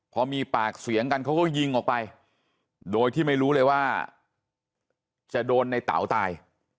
พอมีปากเสียงกันเขาก็ยิงออกไปโดยที่ไม่รู้เลยว่าจะโดนในเต๋าตาย